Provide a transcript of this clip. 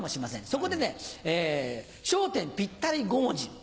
そこでね「笑点ぴったり５文字」。